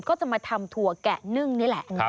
ก็จะมาทำถั่วแกะนึ่งนี่แหละ